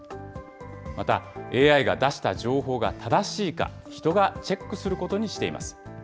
また、ＡＩが出した情報が正しいか、人がチェックすることにしています。